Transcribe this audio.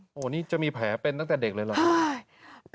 โอ้โหนี่จะมีแผลเป็นตั้งแต่เด็กเลยเหรอ